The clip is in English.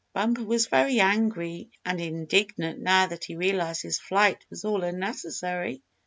Bumper was very angry and indignant now that he realized his flight was all unnecessary.